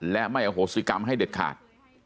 และไม่อโหสิกรรมให้เด็ดขาด